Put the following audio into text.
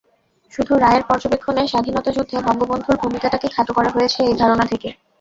শুধু রায়ের পর্যবেক্ষণে স্বাধীনতাযুদ্ধে বঙ্গবন্ধুর ভূমিকাকে খাটো করা হয়েছে এই ধারণা থেকে?